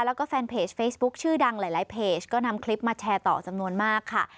แล้วก็แฟนเพจเฟซบุ๊คชื่อดังหลายเพจก็นำคลิปมาแชร์ต่อจำนวนมากค่ะ